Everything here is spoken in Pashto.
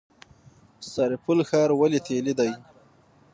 سرپل ښار ولې تیلي دی؟